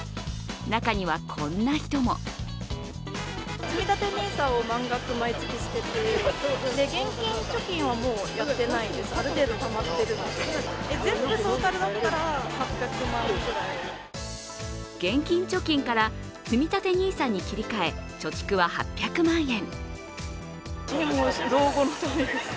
中にはこんな人も現金貯金からつみたてＮＩＳＡに切り替え、貯蓄は８００万円。